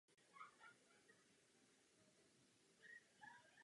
Přistání na ostrově je obtížné a většinou probíhá jižně od kotviště.